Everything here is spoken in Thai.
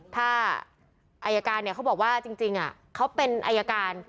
ถ้าอายการเขาบอกว่าจริงเขาเป็นอายการ